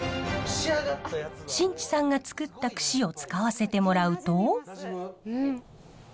新地さんが作った櫛を使わせてもらうと。